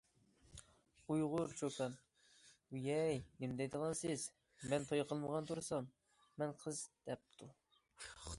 ئۇيغۇر چوكان: ۋىيەي، نېمە دەيدىغانسىز، مەن توي قىلمىغان تۇرسام، مەن قىز- دەپتۇ.